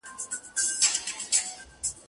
چي عادت وي چا اخیستی په شیدو کي